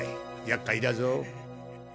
やっかいだぞ。